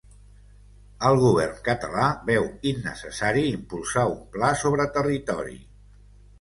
El govern català veu innecessari impulsar un pla sobre territori